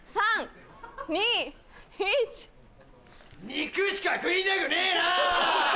肉しか食いたくねえな。